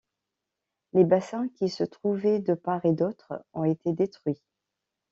Les bassins qui se trouvaient de part et d'autre ont été détruits.